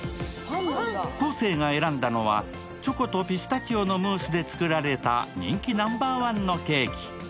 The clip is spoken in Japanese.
昴生が選んだのはチョコとピスタチオのムースで作られた人気ナンバーワンのケーキ。